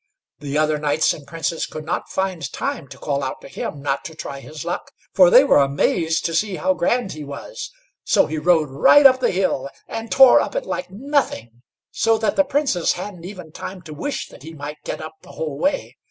The other knights and princes could not find time to call out to him not to try his luck, for they were amazed to see how grand he was. So he rode right at the hill, and tore up it like nothing, so that the Princess hadn't even time to wish that he might get up the whole way.